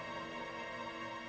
kalo aku buka topeng ini